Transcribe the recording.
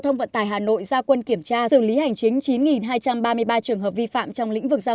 thông vận tải hà nội ra quân kiểm tra xử lý hành chính chín hai trăm ba mươi ba trường hợp vi phạm trong lĩnh vực giao